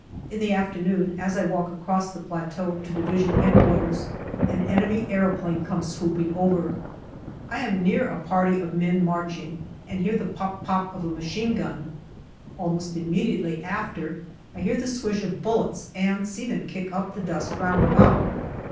In the afternoon, as I walk across the plateau to D.H.Q., an enemy aeroplane comes swooping over. I am near a party of men marching and hear the pop pop of a machine gun. Almost immediately after, I hear the swish of bullets and see them kick up the dust round about.